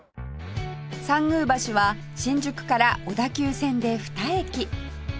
参宮橋は新宿から小田急線で２駅